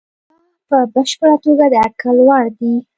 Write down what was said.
دا په بشپړه توګه د اټکل وړ دي.